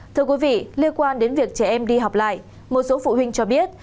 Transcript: thưa quý vị liên quan đến việc trẻ em đi học lại một số phụ huynh cho biết